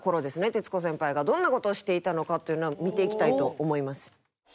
徹子先輩がどんな事をしていたのかというのを見ていきたいと思います。